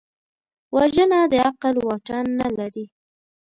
وژنه د عقل واټن نه لري